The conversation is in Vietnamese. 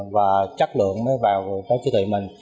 và chất lượng mới vào tối chứa thị mình